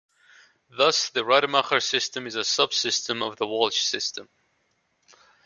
Thus, the Rademacher system is a subsystem of the Walsh system.